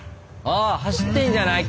ああ走ってんじゃない？